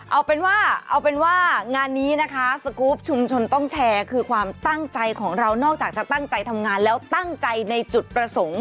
เอาเป็นว่าเอาเป็นว่างานนี้นะคะสกรูปชุมชนต้องแชร์คือความตั้งใจของเรานอกจากจะตั้งใจทำงานแล้วตั้งใจในจุดประสงค์